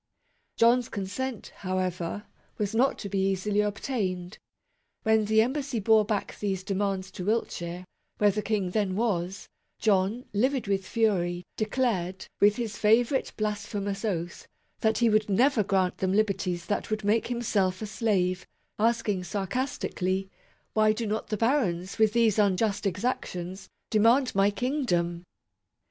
John's consent, however, was not to be easily obtained. When the embassy bore back these de mands to Wiltshire, where the King then was, John, livid with fury, declared, with his favourite blasphe mous oath, that he would never grant them liberties that would make himself a slave ; asking sarcastically, " Why do not the barons, with these unjust exactions, demand my Kingdom